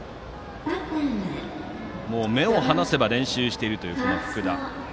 目を離せば練習しているというこの福田。